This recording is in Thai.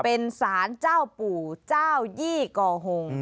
เป็นสารเจ้าปู่เจ้ายี่กอหง